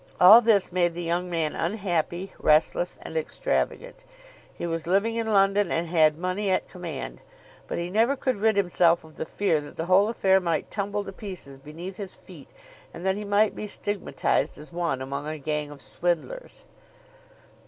All this made the young man unhappy, restless, and extravagant. He was living in London and had money at command, but he never could rid himself of the fear that the whole affair might tumble to pieces beneath his feet and that he might be stigmatised as one among a gang of swindlers.